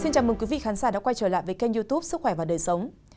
xin chào mừng quý vị khán giả đã quay trở lại với kênh youtube sức khỏe và đời sống